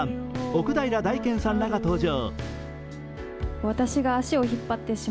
奥平大兼さんらが登場。